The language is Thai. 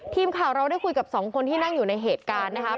ทีมข่าวเราได้คุยกับสองคนที่นั่งอยู่ในเหตุการณ์นะครับ